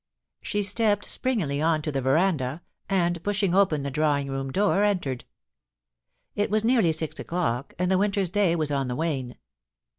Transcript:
She stepped springily on to the veranda, and, pushing open the drawing room door, entered. It was nearly six o'clock, and the winter's day was on the wane.